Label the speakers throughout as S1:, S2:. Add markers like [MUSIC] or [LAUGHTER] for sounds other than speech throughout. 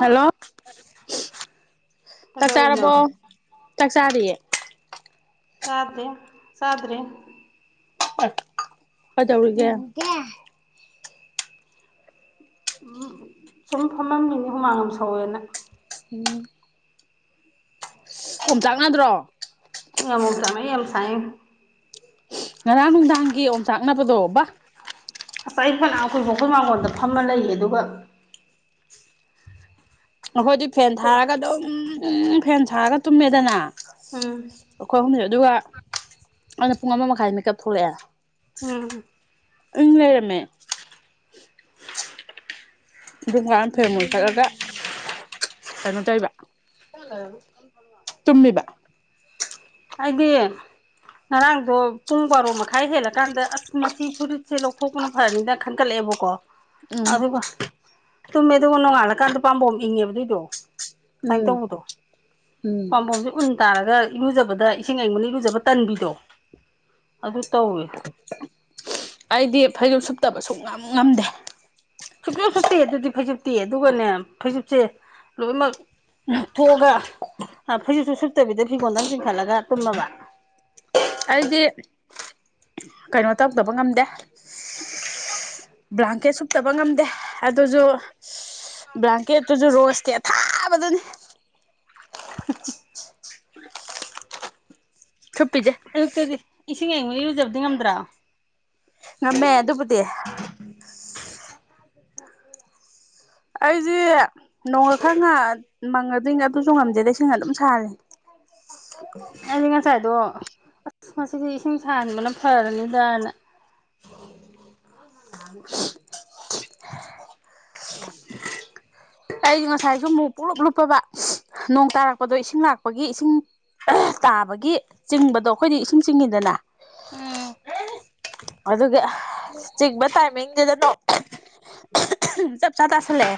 S1: hello ꯆꯥꯛ
S2: ꯀꯩꯗꯧꯔꯤꯅꯣ
S1: ꯆꯥꯔꯕꯣ ꯆꯥꯛ ꯆꯥꯔꯤꯌꯦ
S2: ꯆꯥꯗꯔ꯭ꯦ ꯆꯥꯗꯔ꯭ꯦ
S1: [UNINTELLIGIBLE] [UNINTELLIGIBLE]
S2: ꯎꯝ ꯁꯨꯝ ꯐꯝꯃꯝ ꯃꯤꯅꯤ ꯍꯨꯃꯥꯡ ꯌꯥꯝ ꯁꯧꯋꯦꯅ
S1: ꯎꯝ ꯑꯣꯝꯆꯥꯛ ꯅꯗ꯭ꯔꯣ
S2: [UNINTELLIGIBLE] [UNINTELLIGIBLE]
S1: ꯉꯔꯥꯡ ꯅꯨꯡꯗꯥꯡꯒꯤ ꯑꯣꯝꯆꯥꯛꯅꯕꯗꯣ ꯕꯥ
S2: ꯑꯁ ꯑꯩ [UNINTELLIGIBLE] [UNINTELLIGIBLE] ꯃꯥꯡꯒꯣꯜꯗ ꯐꯝꯃ ꯂꯩꯌꯦ ꯑꯗꯨꯒ
S1: ꯅꯈꯣꯏꯗꯤ ꯐꯦꯟ ꯊꯥꯔꯒ
S2: ꯎꯝ
S1: ꯑꯗꯨꯝ ꯎꯝ ꯐꯦꯟ ꯊꯥꯔꯒ ꯇꯨꯝꯃꯦꯗꯅ ꯑꯩꯈꯣꯏ ꯑꯍꯨꯝꯁꯦ ꯑꯗꯨꯒ ꯑꯩꯅ ꯄꯨꯡ ꯑꯃ ꯃꯈꯥꯏꯗ ꯃꯤꯀꯞ ꯊꯣꯛꯂꯛꯑꯦ
S2: ꯎꯝ
S1: [UNINTELLIGIBLE] ꯃꯦ [UNINTELLIGIBLE] [UNINTELLIGIBLE] ꯀꯩꯅꯣ ꯇꯧꯕ ꯇꯨꯝꯃꯤꯕ
S2: ꯑꯩꯗꯤ ꯉꯔꯥꯡꯗꯣ ꯄꯨꯡ ꯕꯥꯔꯣ ꯃꯈꯥꯏ ꯍꯦꯜꯂꯀꯥꯟꯗ ꯑꯁ ꯃꯁꯤ [UNINTELLIGIBLE] ꯁꯦ ꯂꯧꯊꯣꯛꯄꯅ ꯐꯔꯅꯤꯅ ꯈꯟꯒꯠꯂꯛꯑꯦꯕꯀꯣ
S1: ꯎꯝ
S2: ꯑꯗꯨꯒ ꯇꯨꯝꯃꯦꯗꯨ ꯅꯣꯡꯉꯥꯜꯂꯀꯥꯟꯗ ꯄꯥꯝꯕꯣꯝ ꯏꯪꯉꯦꯕ ꯑꯗꯨꯏꯗꯣ ꯑꯗꯨꯃꯥꯏꯅ
S1: ꯎꯝ
S2: ꯇꯧꯕꯗꯣ
S1: ꯎꯝ
S2: ꯄꯥꯝꯕꯣꯝꯁꯤ ꯎꯟ ꯇꯥꯔꯒ ꯨ [UNINTELLIGIBLE] ꯏꯁꯤꯡ ꯑꯌꯤꯡꯕꯅ ꯏꯔꯨꯖꯕ ꯇꯟꯕꯤꯗꯣ ꯑꯗꯨ ꯇꯧꯋꯦ
S1: ꯑꯩꯗꯤ ꯐꯩꯖꯨꯞ ꯁꯨꯞꯇꯕ ꯉꯝ ꯉꯝꯗꯦ
S2: ꯁꯨꯛꯁꯨ ꯁꯨꯞꯇꯦ ꯑꯗꯨꯗꯤ ꯐꯩꯖꯨꯞꯇꯤ ꯑꯗꯨꯒꯅꯦ ꯐꯩꯖꯨꯞꯁꯦ ꯂꯣꯏꯅꯃꯛ ꯊꯣꯛꯑꯒ ꯐꯩꯖꯨꯞꯁꯨ ꯁꯨꯞꯠꯇꯕꯤꯗ ꯐꯤꯒꯣꯟꯗꯪ ꯆꯤꯡꯈꯠꯂꯒ ꯇꯨꯝꯃꯕ
S1: ꯑꯩꯗꯤ ꯀꯩꯅꯣ ꯇꯧꯗꯕ ꯉꯝꯗꯦ
S2: [INAUDIBLE]
S1: ꯕ꯭ꯂꯥꯡꯀꯦꯠ ꯁꯨꯞꯇꯕ ꯉꯝꯗꯦ ꯑꯗꯨꯁꯨ ꯕ꯭ꯂꯥꯡꯀꯦꯠꯇꯨꯁꯨ ꯔꯣꯁꯀꯤ ꯑꯊꯥꯕꯗꯨꯅꯤ
S2: ꯍ-ꯍ-
S1: ꯁꯨꯞꯄꯤꯁꯦ
S2: ꯑꯌꯨꯛꯇꯗꯤ ꯏꯁꯤꯡ ꯑꯏꯪꯕꯅ ꯏꯔꯨꯖꯕꯗꯤ ꯉꯝꯗ꯭ꯔꯥ
S1: ꯉꯝꯃꯦ ꯑꯗꯨꯕꯨꯗꯤ ꯑꯩꯁꯦ ꯅꯣꯡꯒ ꯈꯔ ꯉ ꯃꯪꯉꯗꯤ ꯑꯗꯨꯁꯨ ꯉꯝꯗꯦꯗ ꯏꯁꯤꯡ ꯑꯗꯨꯝ ꯁꯥꯍꯜꯂꯤ
S2: ꯑꯩꯁꯦ ꯉꯁꯥꯏꯗꯣ ꯑꯁ ꯉꯁꯤꯗꯤ ꯏꯁꯤꯡ ꯁꯍꯟꯕꯅ ꯐꯔꯅꯤꯗꯥꯅ
S1: ꯁꯍ ꯑꯩꯗꯤ ꯉꯁꯥꯏꯁꯨ ꯑꯃꯨꯛ ꯄꯨꯡꯂꯨꯞ ꯂꯨꯞꯄꯕ ꯁꯍ ꯅꯣꯡ ꯇꯥꯔꯛꯄꯗꯣ ꯏꯁꯤꯡ ꯂꯥꯛꯄꯒꯤ ꯏꯁꯤꯡ ꯇꯥꯕꯒꯤ ꯆꯤꯡꯕꯗꯣ ꯑꯩꯈꯣꯏꯗꯤ ꯏꯁꯤꯡ ꯆꯤꯡꯉꯤꯗꯅ
S2: ꯎꯝ
S1: ꯑꯗꯨꯒꯤ ꯆꯤꯡꯕ ꯇꯥꯏꯃꯤꯡꯗꯨꯗ ꯅꯣꯡ ꯑꯍ-ꯑꯍ- ꯆꯞ ꯆꯥ ꯇꯥꯁꯜꯂꯛꯑꯦ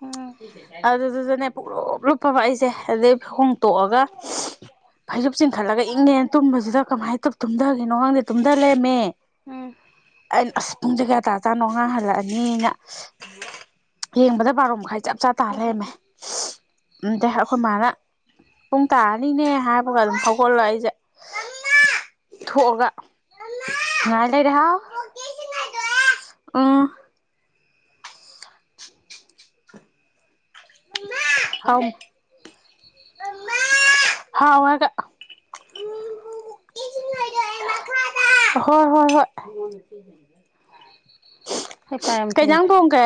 S2: ꯎꯝ
S1: ꯑꯗꯨꯗꯨꯗꯅꯦ ꯄꯣꯛꯂꯨꯞꯞ ꯂꯨꯞꯄꯕ ꯑꯩꯁꯦ ꯑꯗꯩ ꯍꯣꯡꯇꯣꯛꯑꯒ ꯁꯍ ꯐꯩꯖꯨꯞ ꯆꯤꯡꯈꯠꯂꯒ ꯏꯪꯉꯦꯅ ꯇꯨꯝꯕꯁꯤꯗ ꯀꯃꯥꯏꯅ ꯇꯧ ꯇꯨꯝꯊꯈꯤꯅꯣ ꯈꯪꯗꯦ ꯇꯨꯝꯗ ꯂꯩꯔꯝꯃꯦ
S2: ꯎꯝ
S1: ꯑꯩꯅ ꯑꯁ ꯄꯨꯡꯖꯦ ꯀꯌꯥ ꯇꯥꯔꯥ ꯖꯥꯠꯅꯣ ꯑꯉꯥꯡ ꯍꯜꯂꯛꯑꯅꯤꯅ ꯌꯦꯡꯕꯗ ꯕꯥꯔꯣ ꯃꯈꯥꯏ ꯆꯞ ꯆꯥ ꯇꯥ
S2: ꯍꯣꯏ
S1: ꯂꯩꯔꯝꯃꯦ
S2: ꯍꯣꯏ
S1: ꯁꯍ ꯑꯝꯗꯩ ꯑꯩꯈꯣꯏ ꯃꯥꯅ ꯄꯨꯡ ꯇꯥꯔꯅꯤꯅꯦ ꯍꯥꯏꯕꯒ ꯑꯗꯨꯝ ꯍꯧꯒꯠꯂ ꯑꯩꯁꯦ ꯊꯣꯛꯑꯒ ꯉꯥꯏ ꯂꯩꯔꯦ ꯍꯥꯎ ꯎꯝ ꯃꯥ--ꯍꯥꯎꯃꯤ ꯏꯃꯥ ꯍꯥꯎ ꯍꯥꯏꯔꯒ ꯃꯤꯅꯨꯖꯦ ꯏꯁꯤꯡ ꯍꯩꯗꯣꯛꯑꯦ ꯃꯈꯥꯗ ꯍꯣꯏ ꯍꯣꯏ ꯍꯣꯏ
S2: ꯍꯩꯄꯥ ꯌꯥꯝ ꯁꯥꯏ
S1: ꯀꯩꯩꯏꯟꯖꯥꯡ ꯊꯣꯡꯒꯦ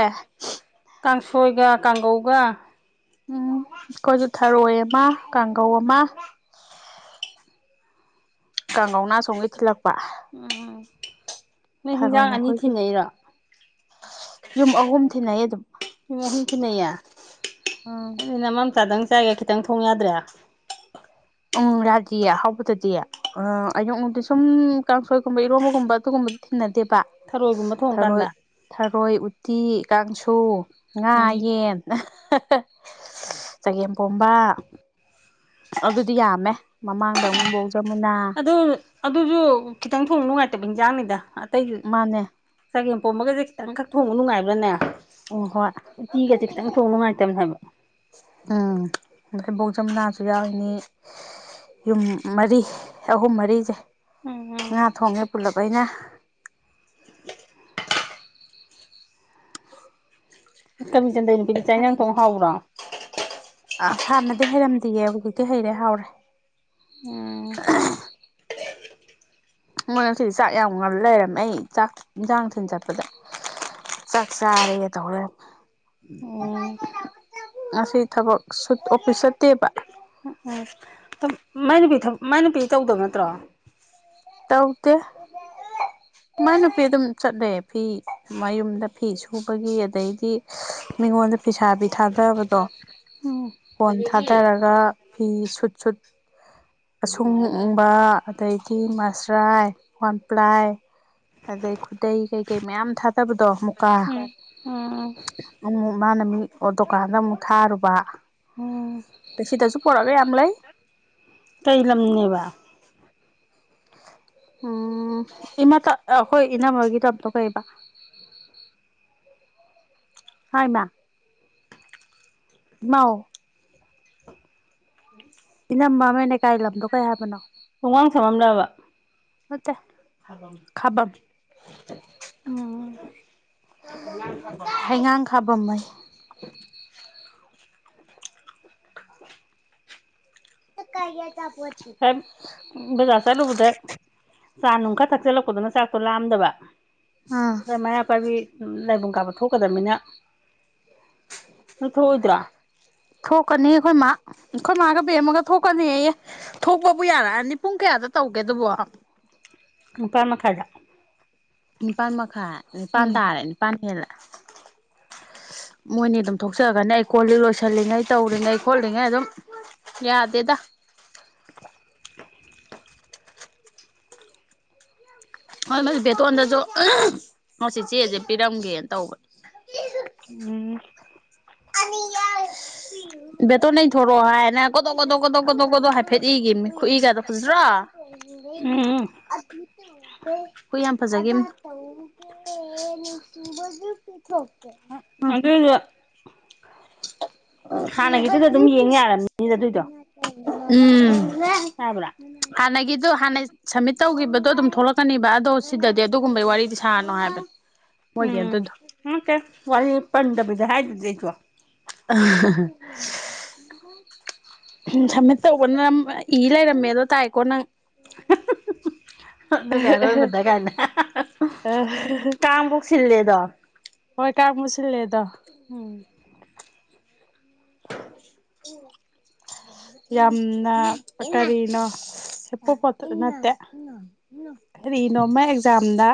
S2: ꯀꯥꯡꯁꯣꯏꯒ ꯀꯥꯡꯒꯧꯒ
S1: ꯎꯝ ꯑꯩꯈꯣꯏꯁꯨ ꯊꯔꯣꯏ ꯑꯃ ꯀꯥꯡꯒꯧ ꯑꯃ ꯀꯥꯡꯒꯧꯅ ꯑꯁꯣꯝꯒꯤ ꯊꯤꯜꯂꯛꯄ
S2: ꯎꯝ ꯅꯣꯏ ꯍꯤꯟꯖꯥꯡ
S1: ꯊꯔꯣꯏꯅ
S2: ꯑꯅꯤ
S1: ꯑꯩꯈꯣꯏꯒꯤ
S2: ꯊꯤꯟꯅꯩꯔꯣ
S1: ꯌꯨꯝ ꯑꯍꯨꯝ ꯊꯤꯟꯅꯩ ꯑꯗꯨꯝ
S2: ꯌꯨꯝ ꯑꯍꯨꯝ ꯊꯤꯟꯅꯩꯌꯦ
S1: ꯎꯝ
S2: ꯅꯣꯏꯗꯤ ꯅꯃꯥꯝꯆꯥꯗꯪ ꯆꯥꯏꯒ ꯈꯤꯇꯪ ꯊꯣꯡ ꯌꯥꯗ꯭ꯔꯦ
S1: ꯎꯝ ꯌꯥꯗꯤꯌꯦ ꯑꯍꯥꯎꯕꯗꯗꯤ ꯑ ꯑꯌꯨꯛꯅꯨꯡꯗꯤ ꯁꯨꯝ ꯀꯥꯡꯁꯣꯏꯒꯨꯝꯕ ꯏꯔꯣꯝꯕꯒꯨꯝꯕ ꯑꯗꯨꯒꯨꯝꯕꯗꯤ ꯊꯤꯟꯅꯗꯦꯕ
S2: ꯊꯔꯣꯏꯒꯨꯝꯕ
S1: ꯁꯍ ꯊꯔꯣꯏ
S2: ꯊꯣꯡꯀꯥꯟꯗ
S1: ꯊꯔꯣꯏ ꯎꯠ ꯇꯤ ꯀꯥꯡꯁꯨ ꯉꯥ
S2: ꯎꯝ
S1: ꯌꯦꯟ ꯍꯥ- ꯍꯥ ꯆꯒꯦꯝꯄꯣꯝꯕ ꯑꯗꯨꯗꯤ ꯌꯥꯝꯃꯦ ꯃꯃꯥꯡꯗ ꯑꯃꯨꯛꯐꯧ
S2: ꯑꯗꯨꯕꯨꯗꯤ ꯑꯗꯨꯁꯨ ꯈꯤꯇꯪ ꯊꯣꯡꯕ ꯅꯨꯡꯉꯥꯏꯇꯕ ꯏꯟꯖꯥꯡꯅꯤꯗ ꯇꯩ
S1: ꯃꯥꯅꯦ
S2: ꯆꯒꯦꯝ ꯀꯨꯝꯕꯒꯖꯦ ꯈꯤ ꯈꯤꯇꯪꯈꯛ ꯊꯣꯡꯕ ꯅꯨꯡꯉꯥꯏꯕ꯭ꯔꯥꯅꯦ
S1: ꯎꯝ ꯍꯣꯏ
S2: ꯎꯇꯤꯒꯁꯦ ꯈꯤꯇꯪ ꯊꯣꯡ ꯅꯨꯡꯉꯥꯏꯇꯕꯅꯦ ꯍꯥꯏꯕ
S1: ꯑꯗꯒꯤ ꯕꯣꯛ ꯖꯝꯃꯨꯅꯥꯁꯨ ꯌꯥꯎꯔꯤꯅꯤ ꯌꯨꯝ ꯃꯔꯤ ꯑꯍꯨꯝ ꯃꯔꯤꯁꯦ
S2: ꯎꯝ
S1: ꯉꯥ ꯊꯣꯡꯉꯦ ꯄꯨꯂꯞ ꯑꯩꯅꯥ
S2: ꯂꯧꯁꯤꯟꯕ ꯉꯝꯗꯕ ꯆꯟꯗꯩ ꯅꯨꯄꯤꯗꯣ ꯆꯥꯛ ꯏꯟꯖꯥꯡ ꯊꯣꯡ ꯍꯥꯎꯕ꯭ꯔꯣ [UNINTELLIGIBLE]
S1: ꯑ ꯍꯥꯟꯅꯗꯤ ꯍꯩꯔꯝꯗꯤꯌꯦ ꯍꯧꯖꯤꯛꯇꯤ ꯍꯩꯔꯦ
S2: ꯎꯝ
S1: ꯍꯥꯎꯔꯦ ꯃꯣꯏꯁꯤꯗꯤ ꯆꯥꯛ ꯌꯥꯝ ꯂꯩꯔꯝꯃꯦ ꯑꯩ ꯆꯥꯛ ꯏꯟꯖꯥꯡ ꯊꯤꯟ ꯆꯠꯄꯗ ꯆꯥꯛ ꯆꯥꯔꯦꯒ ꯇꯧꯔꯦ
S2: ꯎꯝ
S1: ꯉꯁꯤ ꯊꯕꯛ ꯑꯣꯐꯤꯁ ꯆꯠꯇꯦꯕ
S2: ꯎꯝ ꯃꯥꯏ ꯅꯨꯨꯄꯤ ꯃꯥꯏ ꯅꯨꯨꯄꯤ ꯇꯧꯗꯕ ꯅꯠꯇ꯭ꯔꯣ
S1: ꯇꯧꯗꯦ ꯃꯥꯏ ꯅꯨꯄꯤ ꯑꯗꯨꯝ ꯆꯠꯂꯦ ꯐꯤ ꯃꯌꯨꯝꯗ ꯐꯤ ꯁꯨꯕꯒꯤ ꯑꯗꯩꯗꯤ ꯃꯤꯉꯣꯟꯗ ꯐꯤꯁꯥꯕꯤ ꯊꯥꯗꯕꯗꯣ
S2: ꯎꯝ
S1: ꯀꯣꯟ ꯊꯥꯗꯔꯒ ꯐꯤ ꯁꯨꯠ ꯁꯨꯠ ꯑꯁꯨꯡꯕ ꯑꯗꯩꯗꯤ ꯃꯥ ꯑꯁ꯭ꯔꯥꯏ ꯋꯥꯟꯄ꯭ꯂꯥꯏ ꯑꯗꯩ ꯈꯨꯗꯩ ꯀꯩꯀꯩ ꯃꯌꯥꯝ ꯊꯥꯗꯕꯗꯣ ꯃꯨꯀꯥ
S2: ꯎꯝ ꯎꯝ
S1: ꯑꯃꯛ ꯃꯥꯅ ꯃꯤ ꯗꯨꯀꯥꯟꯗ ꯑꯃꯨꯛ ꯊꯥꯔꯨꯕ
S2: ꯎꯝ
S1: ꯑꯗ ꯁꯤꯗꯁꯨ ꯄꯨꯔꯛꯑꯒ ꯌꯥꯝ ꯂꯩ
S2: ꯀꯩ ꯂꯝꯅꯦꯕ
S1: ꯎꯝ ꯏꯃꯥ ꯑꯩꯈꯣꯏ ꯏꯅꯝꯃꯣꯏꯒꯤꯂꯝꯇꯣ ꯀꯩꯕ ꯍꯥꯏ ꯏꯃꯥ ꯃꯥꯎ ꯏꯅꯝꯑ ꯃꯅꯦꯀꯥꯏ ꯂꯝꯗꯣ ꯀꯩ ꯍꯥꯏꯕꯅꯣ
S2: ꯈꯣꯡꯉꯥꯡ ꯁꯝꯃꯝꯂꯕ
S1: ꯃꯠꯇ ꯈꯕꯝ
S2: ꯎꯝ
S1: ꯍꯩꯉꯥꯡ ꯈꯥꯕꯝ
S2: [INAUDIBLE]
S1: ꯊꯀꯥꯏ
S2: ꯕꯖꯥ ꯆꯂꯨꯕꯗ ꯆꯥ ꯅꯨꯡ ꯈꯔ ꯊꯛꯆꯜꯂꯛꯄꯗꯨꯅ ꯆꯥꯛꯇꯣ ꯂꯥꯝꯗꯕ
S1: ꯑꯥ
S2: ꯃꯩꯔꯄꯕꯤ ꯂ ꯀꯥꯕ ꯊꯣꯛꯣꯛꯀꯗꯕꯅꯤꯅ
S1: ꯊꯣꯛꯀꯅꯤ ꯑꯩꯈꯣꯏ ꯃꯥ ꯑꯩꯈꯣꯏ ꯃꯥꯒ ꯕꯦꯝꯃꯒ ꯊꯣꯛꯀꯅꯤ ꯊꯣꯛꯄꯕꯨ ꯌꯥꯔꯛꯑꯅꯤ ꯄꯨꯡ ꯀꯌꯥꯗ ꯇꯧꯒꯦ ꯑꯗꯨꯕꯣ
S2: ꯄꯥꯜ ꯃꯈꯥꯏꯗ
S1: ꯅꯤꯄꯥꯥꯟ ꯃꯈꯥꯏ ꯑꯗꯨ ꯅꯤꯄꯥꯟ
S2: ꯎꯝ
S1: ꯇꯥꯔꯦꯅꯦ ꯄꯥꯟꯈꯦꯜꯗ ꯃꯣꯏꯅꯤ ꯑꯗꯨꯝ ꯊꯣꯛꯆꯒꯅꯤ ꯑꯩ ꯀꯣꯜꯂꯤ ꯂꯣꯏꯁꯤꯜꯂꯤꯉꯩ ꯇꯧꯔꯤꯉꯩ ꯈꯣꯠꯂꯤꯉꯩ ꯑꯗꯨꯝ ꯌꯥꯗꯦꯗ
S2: [INAUDIBLE]
S1: ꯍꯣꯏ ꯃꯁꯤ ꯕꯦꯇꯣꯟꯗꯁꯨ ꯆꯦꯁꯦ ꯄꯤꯔꯝꯒꯦꯅ ꯇꯧꯕꯅꯦ
S2: ꯎꯝ
S1: [UNINTELLIGIBLE] ꯏꯕꯇꯣꯅ ꯊꫭꯔꯛꯔꯣ ꯍꯥꯏꯅ ꯀꯣ ꯀꯗꯧ ꯀꯗꯧ ꯀꯗꯧ ꯀꯗꯣ ꯍꯥꯏꯐꯦꯠꯏꯒꯤꯅꯤ ꯈꯏꯒꯗ ꯈꯖ꯭ꯔꯥ
S2: ꯎꯝ
S1: ꯍ ꯐꯖꯒꯤꯝꯅꯤ [INAUDIBLE]
S2: ꯑꯗꯨꯏꯗꯣ
S1: [UNINTELLIGIBLE]
S2: ꯍꯥꯟꯅꯒꯤꯗꯨꯗ ꯑꯗꯨꯝ ꯌꯦꯡ ꯌꯥꯔꯕꯅꯤꯗ ꯑꯗꯨꯏꯗꯣ
S1: ꯎꯝ
S2: ꯌꯥꯕ꯭ꯔꯥ
S1: ꯍꯅꯒꯗꯨ ꯍꯅ ꯁꯝꯃꯤꯠ ꯇꯧꯈꯤꯕꯗꯣ ꯑꯗꯨꯝ ꯊꯣꯛꯂꯛꯀꯅꯤꯕ ꯑꯗꯣ ꯁꯤꯗꯗꯤ ꯑꯗꯨꯒꯨꯝꯕꯩ ꯋꯥꯔꯤꯗꯤ ꯁꯥꯔꯅꯣ ꯍꯥꯏꯕꯅꯦ ꯃꯣꯏꯒꯤ
S2: ꯎꯝ
S1: ꯑꯗꯨꯗꯣ
S2: ꯃꯀꯦ ꯋꯥꯏ ꯄꯗꯕꯗ ꯍꯥꯏ [UNINTELLIGIBLE] ꯂꯩ [UNINTELLIGIBLE]
S1: ꯁꯝꯃꯤꯠ ꯇꯧꯕꯅ ꯏ ꯂꯩꯔꯝꯃꯦꯗꯣ ꯇꯥꯏꯀꯣ ꯅꯪ
S2: ꯑꯗꯨꯒ ꯑꯔꯣꯏꯕꯗ ꯒꯥꯏꯅ ꯀꯥꯡ ꯐꯥꯎ ꯁꯤꯜꯂꯦꯗꯣ
S1: ꯁꯤꯂꯦꯗꯣ
S2: ꯎꯝ
S1: ꯌꯥꯝꯅ ꯀꯔꯤꯅꯣ ꯁꯦꯄ ꯄꯣ ꯅꯠꯇꯦ ꯀꯔꯤꯅꯣ ꯃꯥꯏ ꯑꯦꯛꯖꯥꯝꯗ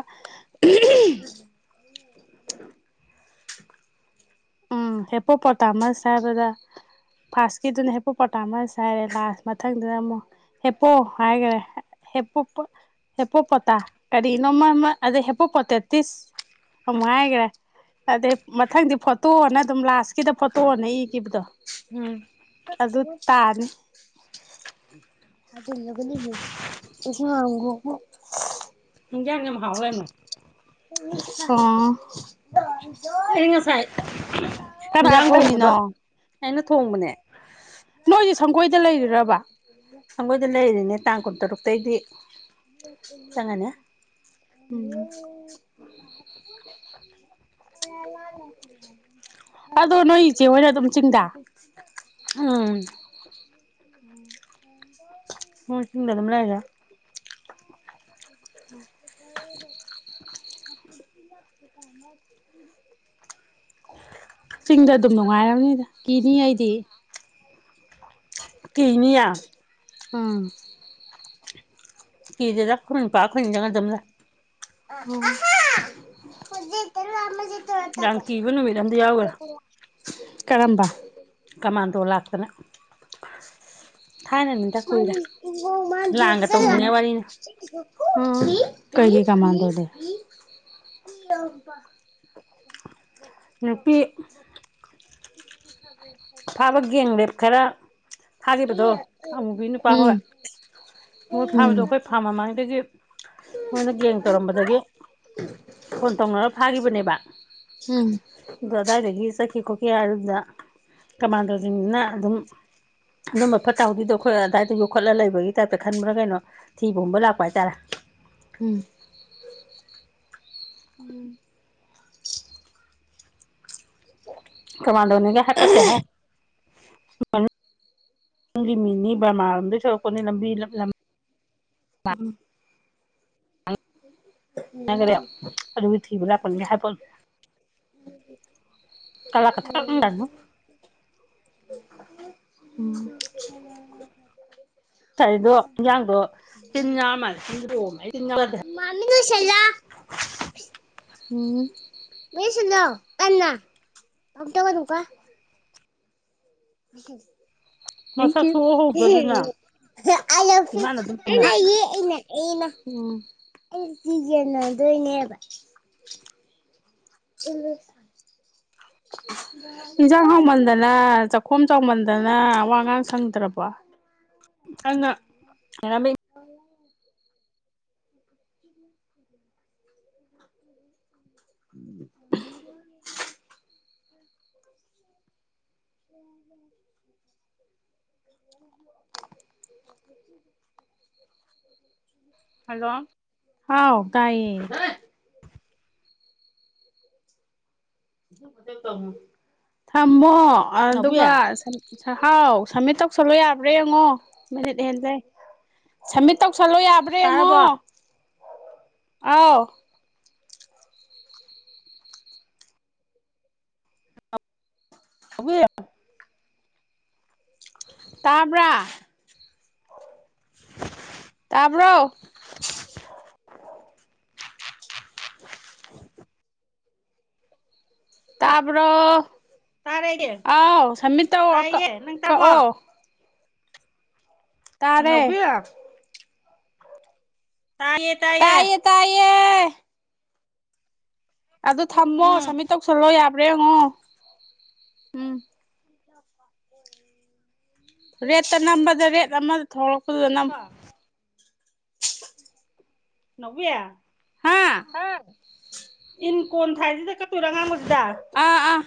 S1: ꯎꯝ ꯍꯦꯄꯣ ꯄꯣꯇꯥ ꯃꯆ ꯍꯥꯏꯕꯗ ꯐꯥꯔꯁꯀꯤꯗꯨꯅ ꯍꯦꯄꯣ ꯄꯇꯥ ꯃꯁ ꯍꯥꯏꯥꯈꯔꯦ ꯂꯥꯁ ꯃꯊꯪꯗꯨꯅ ꯑꯃꯨꯛ ꯍꯦꯄꯣ ꯍꯥꯏꯈꯔꯦ ꯍꯦꯄꯣꯄꯣꯇꯥ ꯀꯔꯤꯅꯣ ꯑꯗꯩ ꯍꯦꯄꯣꯄꯇꯦꯇꯤꯁ ꯑꯃꯨꯛ ꯍꯥꯏꯈ꯭ꯔꯦ ꯑꯗꯩ ꯃꯊꯪꯗꯤ ꯐꯣꯇꯣꯅ ꯑꯗꯨꯝ ꯂꯥꯁꯀꯤꯗ ꯐꯣꯇꯣꯅ ꯏꯈꯤꯕꯗꯣ
S2: ꯎꯝ
S1: ꯑꯗꯨ ꯇꯥꯅꯤ ꯍꯥ ꯂꯒꯅꯤ ꯀ ꯋꯥꯒ [UNINTELLIGIBLE]
S2: ꯏꯖꯥꯡ ꯌꯝ ꯍꯥꯎ ꯂꯩꯔꯝꯃꯤ
S1: ꯑꯣ
S2: ꯑ ꯉꯁꯥꯏ
S1: ꯀꯅꯥ
S2: ꯇꯔꯕꯗ
S1: ꯊꯣꯡꯉꯤꯅꯣ
S2: [UNINTELLIGIBLE] ꯑꯩꯅ ꯊꯣꯡꯕꯅꯦ
S1: ꯅꯣꯏꯒꯤ ꯁꯪꯒꯣꯏꯗ ꯂꯩꯔꯤꯔꯕ
S2: ꯁꯦꯒꯣꯏꯗ ꯂꯩꯔꯤꯅꯤ ꯇꯥꯡ ꯀꯨꯟꯇꯔꯨꯛꯇ ꯇꯩꯗꯤ
S1: ꯎꯝ ꯑꯗꯣ ꯅꯣꯏ ꯏꯆꯦ ꯍꯣꯏꯅ ꯑꯗꯨꯝ ꯆꯤꯡꯗꯥ
S2: ꯎꯝ
S1: ꯍꯣꯡꯕ [UNINTELLIGIBLE]
S2: ꯍꯣꯏ ꯆꯤꯟꯗ ꯑꯗꯨꯝ ꯂꯩꯔꯦ
S1: ꯆꯤꯡꯗ ꯑꯗꯨꯝ ꯅꯨꯡꯉꯥꯏꯔꯝꯅꯤꯗ ꯀꯤꯅꯤ ꯑꯩꯗꯤ
S2: ꯀꯤꯅꯤꯌꯦ
S1: ꯎꯝ
S2: ꯀꯤꯗꯦꯗ ꯑꯩꯈꯣꯏ ꯅꯤꯄꯥ ꯑꯩꯈꯣꯏ ꯅꯤꯗꯪ ꯑꯗꯨꯝ ꯂꯩ
S1: ꯇ [UNINTELLIGIBLE]
S2: ꯌꯥꯥꯝꯀꯤꯕ ꯅꯨꯃꯤꯠ ꯑꯃꯗ ꯌꯥꯎꯒꯔꯦ
S1: ꯀꯔꯝꯕ
S2: ꯀꯃꯥꯟꯗꯣ ꯂꯥꯛꯇꯅ ꯊꯥꯏꯅꯅꯤꯗ
S1: ꯃꯥ
S2: ꯀꯨꯏꯔꯦ
S1: ꯃꯥꯦ
S2: ꯂꯥꯟꯒ
S1: ꯆ
S2: ꯇꯧꯗ꯭ꯔꯤꯉꯩ ꯋꯥꯔꯤꯅꯤ
S1: [UNINTELLIGIBLE] ꯀꯩꯒꯤ ꯀꯃꯥꯟꯗꯣꯗꯤ
S2: ꯅꯨꯄꯤ
S1: ꯦ [INAUDIBLE]
S2: ꯐꯥꯕ ꯒꯦꯡ ꯔꯦꯞ ꯈꯔ ꯐꯥꯈꯤꯕꯗꯣ ꯑꯃꯨꯕꯤ ꯅꯨꯄꯥ ꯍꯣꯏ
S1: ꯎꯝ
S2: ꯃꯣꯏ ꯐꯥꯕꯗꯣ
S1: ꯎꯝ
S2: ꯑꯩꯈꯣꯏ ꯐꯥꯔꯃ ꯃꯃꯥꯡꯉꯩꯗꯒꯤ ꯃꯣꯏꯅ ꯒꯦꯡ ꯇꯧꯔꯝꯕꯗꯒꯤ ꯐꯣꯟ ꯇꯧꯅꯔ ꯐꯥꯈꯤꯕꯅꯦꯕ
S1: ꯎꯝ
S2: ꯑꯗꯨ ꯑꯗꯨꯋꯥꯏꯗꯒꯤ ꯆꯠꯈꯤ ꯈꯣꯠꯈꯤ ꯌꯥꯔꯜꯗꯥ ꯀꯃꯥꯟꯗꯣꯁꯤꯡꯗꯨꯅ ꯑꯗꯨꯝ ꯑꯗꯨꯝꯕ ꯐꯠꯇ ꯍꯥꯎꯗꯤꯗꯣ ꯑꯩꯈꯣꯏ ꯑꯗꯨꯗꯥꯋꯥꯏꯗ ꯌꯣꯛꯈꯠꯂꯒ ꯂꯩꯕꯒꯤ ꯇꯥꯏꯞꯇ ꯈꯟꯕ꯭ꯔꯥ ꯀꯩꯅꯣ ꯊꯤꯕꯒꯨꯝꯕ ꯂꯥꯛꯄ ꯍꯥꯏꯇꯥꯔꯦ
S1: ꯎꯝ
S2: ꯀꯃꯥꯟꯗꯣꯅꯤꯒ ꯍꯥꯏ ꯄꯣꯠꯇꯦꯍꯦ ꯃꯅꯨꯡꯒꯤ ꯃꯤꯅꯤ ꯕꯔꯃꯥꯔꯣꯝꯗꯒꯤ ꯊꯣꯛꯂꯛꯄꯅꯤ ꯂꯝꯕꯤ
S1: ꯎꯝ
S2: ꯑꯗꯨꯒꯤ ꯊꯤꯕ ꯂꯥꯛꯄꯅꯝ ꯒꯥꯢ ꯍꯥꯏ ꯄꯣꯠꯅꯤ
S1: ꯎꯝ
S2: ꯉꯌꯥꯏꯗꯣ ꯌꯦꯟꯖꯥꯡꯗꯣ ꯇꯤꯟ ꯌꯥꯎꯔ ꯃꯥꯜꯂꯦ ꯄꯣꯝꯃꯦ
S1: ꯃꯤꯠ ꯑꯨꯏꯁꯜꯂꯣ ꯎꯝ ꯃꯤꯠ ꯑꯨꯏꯁꯜꯂꯣ ꯀꯥꯟꯅ ꯑꯝꯇꯪ [UNINTELLIGIBLE]
S2: ꯃꯁꯛ ꯁꯨꯛꯎꯍꯧꯗ꯭ꯔꯦ ꯑꯗꯨꯅ ꯏꯃꯥꯅ ꯑꯗꯨꯝ ꯊꯝꯃꯦꯕ
S1: ꯊꯥꯡꯀ꯭ꯨꯌ ꯑꯪꯅꯅꯦ ꯑꯩꯅ ꯎꯝ [UNINTELLIGIBLE] ꯌꯦꯟꯅꯗꯣꯏꯅꯦꯕ ꯑꯦꯟꯁꯥꯡ ꯍꯥꯎꯃꯟꯗꯅ ꯆꯥꯛꯈꯣꯝ ꯆꯥꯎꯃꯟꯗꯅ ꯋꯥꯉꯥꯡ ꯁꯪꯗ꯭ꯔꯕꯣ
S2: ꯑꯩꯅ [UNINTELLIGIBLE]
S1: [UNINTELLIGIBLE] [UNINTELLIGIBLE] [UNINTELLIGIBLE]
S2: ꯍꯜꯂꯣ
S1: ꯍꯥꯎ ꯇꯥꯏꯌꯦ [UNINTELLIGIBLE] ꯊꯝꯃꯣ
S2: ꯅꯥꯎꯕꯤ
S1: ꯑꯗꯨꯒ ꯍꯥꯎ ꯁꯝꯃꯤꯠ ꯇꯧꯁꯜꯂꯣ ꯌꯥ ꯌꯦꯡꯉꯣ ꯃꯤꯅꯤꯠ ꯍꯦꯟꯒꯔ꯭ꯦ ꯁꯝꯃꯤꯠ ꯇꯧꯁꯜꯂꯣ ꯌꯥꯕ꯭ꯔꯥ ꯌꯦꯡꯉꯣ
S2: ꯇꯥꯔꯕꯣ
S1: ꯑꯥꯎ
S2: [UNINTELLIGIBLE]
S1: ꯇꯥꯕ꯭ꯔꯥ ꯇꯥꯕ꯭ꯔꯣ ꯇꯥꯕ꯭ꯔꯣ
S2: ꯇꯥꯔꯦ ꯑꯩꯗꯤ
S1: ꯑꯥꯎ ꯁꯃꯤꯠ ꯇꯧ
S2: ꯇꯥꯏꯌꯦ ꯅꯪ ꯇꯥꯔꯕꯣ
S1: ꯀꯛꯑꯣ ꯇꯥꯔꯦ
S2: ꯅꯥꯎꯕꯤ ꯇꯥꯌꯦ ꯇꯥꯌꯦ
S1: ꯇꯥꯏꯌꯦ ꯇꯥꯏꯌꯦ ꯑꯗꯨ ꯊꯝꯃꯣ
S2: ꯎꯝ
S1: ꯁꯃꯤꯠ ꯇꯧꯁꯜꯂꯣ ꯌꯥ [UNINTELLIGIBLE] ꯉꯣ ꯎꯝ ꯔꯦꯠꯇ ꯅꯝꯕꯗ ꯔꯦꯠ ꯑꯃꯗ ꯊꯣꯛꯂꯛ ꯄꯗꯨꯗ ꯅꯝ
S2: ꯅꯥꯎꯕꯤ ꯍꯥ ꯏꯟ ꯀꯣꯟ ꯊꯥꯏꯁꯤꯗ ꯀꯛ ꯇꯣꯏꯔꯣ ꯑꯉꯥꯡꯕꯁꯤ ꯁꯤꯗ
S1: ꯑꯥ ꯑꯥ